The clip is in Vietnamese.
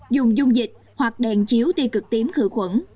dùng dung dịch hoặc đèn chiếu ti cực tím khử khuẩn